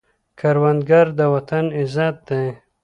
کروندګر د وطن عزت دی